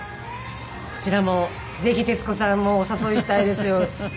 こちらもぜひ徹子さんもお誘いしたいですよ。